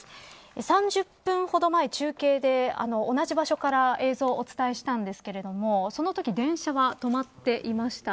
３０分ほど前、中継で同じ場所から映像をお伝えしたんですけれどもそのとき電車は止まっていました。